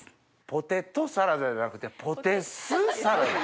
ポテトサラダじゃなくてポテ酢サラダ？